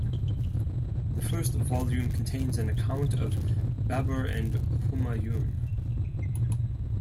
The first volume contains an account of Babur and Humayun.